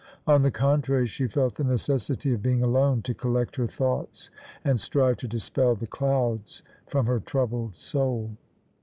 On the contrary, she felt the necessity of being alone, to collect her thoughts and strive to dispel the clouds from her troubled soul.